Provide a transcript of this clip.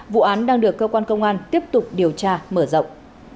vụ án đang được cơ quan công an tiếp tục điều tra mở rộng